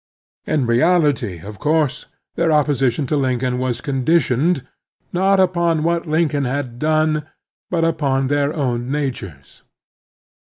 In reality, of course, their opposition to Lincoln was conditioned, not upon what Lincoln had done, but upon their own nattunes.